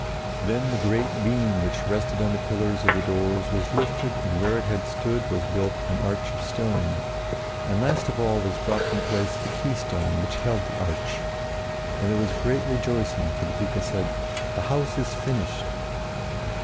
Then the great beam which rested on the pillars of the doors was lifted and where it had stood was built an arch of stone. And last of all was dropped in place the keystone which held the arch, and there was great rejoicing, for the people said: "The house is finished."